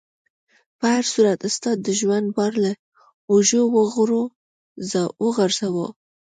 په هر صورت استاد د ژوند بار له اوږو وغورځاوه.